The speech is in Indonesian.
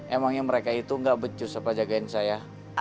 emangnya mereka itu gak becus setelah jagain saya